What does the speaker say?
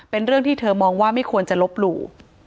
เป็นเรื่องที่เธอมองว่าไม่ควรจะลบหลู่